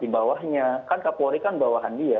di bawahnya kan kapolri kan bawahan dia